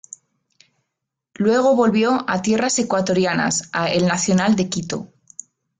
Luego volvió a tierras ecuatorianas, a El Nacional de Quito.